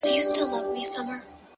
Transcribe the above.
لوړ همت ماتې نه مني!